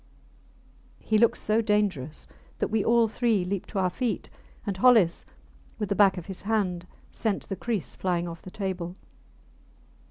. He looked so dangerous that we all three leaped to our feet, and Hollis, with the back of his hand, sent the kriss flying off the table.